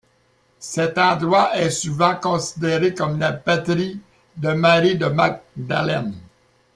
Cet endroit est souvent considéré comme la patrie de Marie la Magdalène.